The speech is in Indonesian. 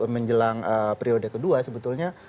menjelang periode kedua sebetulnya